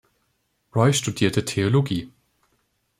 Roy studierte Theologie.